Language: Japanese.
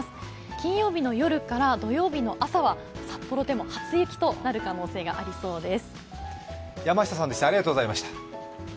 金曜日の夜から、土曜日の朝は札幌でも初雪となるところがありそうです。